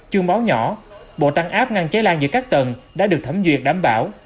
chương báo nhỏ bộ tăng áp ngăn cháy lan giữa các tầng đã được thẩm duyệt đảm bảo